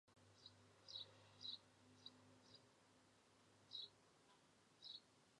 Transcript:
他的个人经历很有可能是他音乐充满了怪诞和阴暗色彩的重要原因。